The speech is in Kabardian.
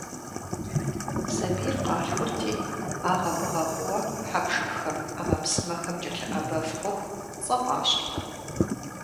Сабийр къалъхурти, агъэ-быгъэ хъууэ хьэпшыпхэм, Ӏэмэпсымэхэм кӀэлъыӀэбэф хъуху, цӀэ фӀащыртэкъым.